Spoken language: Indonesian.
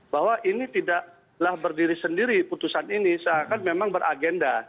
bahwa ini tidaklah berdiri sendiri putusan ini seakan memang beragenda